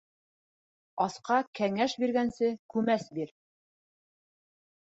Асҡа кәңәш биргәнсе, күмәс бир.